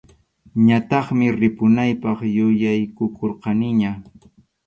Ñataqmi ripunaypaq yuyaykukurqaniña.